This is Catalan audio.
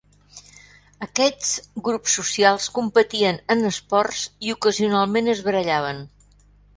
Aquests grups socials competien en esports i ocasionalment es barallaven.